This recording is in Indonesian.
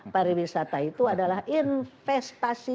pariwisata itu adalah investasi